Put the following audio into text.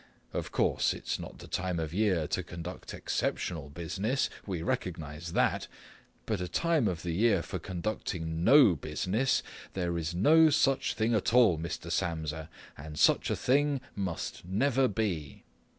Of course, it's not the time of year to conduct exceptional business, we recognize that, but a time of year for conducting no business, there is no such thing at all, Mr. Samsa, and such a thing must never be."